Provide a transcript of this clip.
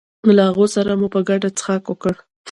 له هغو سره مو په ګډه څښاک وکړ.